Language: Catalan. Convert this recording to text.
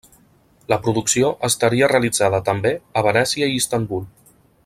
La producció estaria realitzada, també, a Venècia i Istanbul.